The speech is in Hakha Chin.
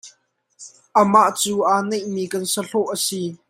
Amah cu aa neih mi kan sahlawh a si.